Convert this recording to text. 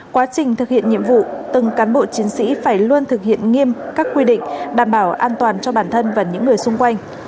quá trình thực hiện nhiệm vụ từng cán bộ chiến sĩ phải luôn thực hiện nghiêm các quy định đảm bảo an toàn cho bản thân và những người xung quanh